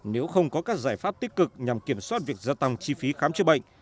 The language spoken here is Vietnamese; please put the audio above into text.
nếu không có các giải pháp tích cực nhằm kiểm soát việc gia tăng chi phí khám chữa bệnh